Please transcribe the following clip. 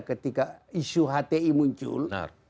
ketika isu hti muncul